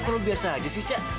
kalau biasa aja sih cak